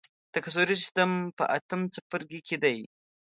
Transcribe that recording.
تکثري سیستم په اتم څپرکي کې دی.